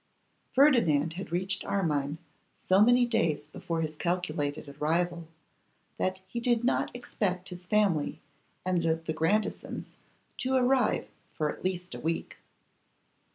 Ferdinand had reached Armine so many days before his calculated arrival, that he did not expect his family and the Grandisons to arrive for at least a week.